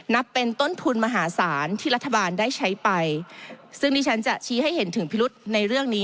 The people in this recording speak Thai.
นับเป็นต้นทุนมหาศาลที่รัฐบาลได้ใช้ไปซึ่งดิฉันจะชี้ให้เห็นถึงพิรุษในเรื่องนี้